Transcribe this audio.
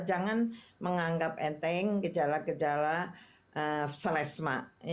jangan menganggap enteng gejala gejala selesma